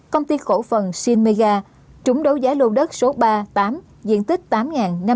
công ty khổ phần shin mega trúng đấu giá lô đất số ba tám diện tích tám năm trăm sáu mươi tám một m hai